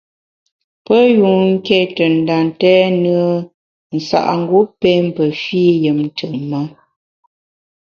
Me yun nké te nda ntèn nùe nsa’ngu pém pe fî yùm ntùm-ma.